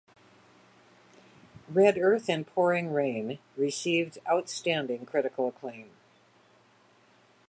"Red Earth and Pouring Rain" received outstanding critical acclaim.